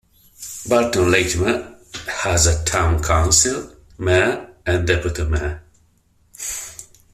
Burton Latimer has a town council, mayor, and deputy-mayor.